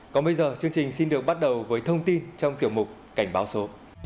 còn bây giờ chương trình xin được bắt đầu với thông tin trong tiểu mục cảnh báo số